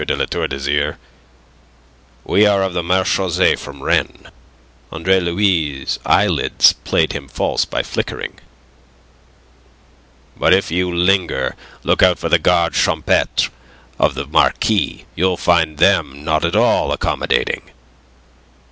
de La Tour d'Azyr. We are of the marechaussee from Rennes." Andre Louis' eyelids played him false by flickering. "But if you linger, look out for the gardes champetres of the Marquis. You'll find them not at all accommodating.